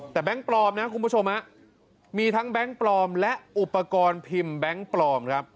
แต่แบงค์ปลอมนะคุณผู้ชมมีทั้งแบงค์ปลอมและอุปกรณ์พิมพ์แบงค์ปลอมครับ